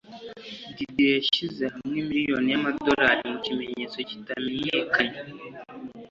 Didier yashyize hamwe miliyoni y'amadolari mu kimenyetso kitamenyekanye